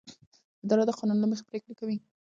اداره د قانون له مخې پریکړې کوي.